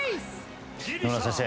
野村先生